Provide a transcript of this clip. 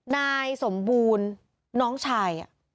นายสมบูรณ์น้องชาย